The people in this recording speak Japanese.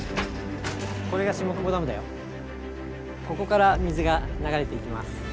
ここから水が流れていきます